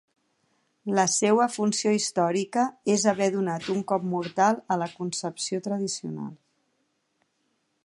La seua funció històrica és haver donat un cop mortal a la concepció tradicional.